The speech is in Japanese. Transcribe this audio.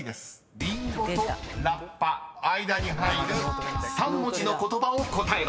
リンゴとラッパ間に入る３文字の言葉を答えろ。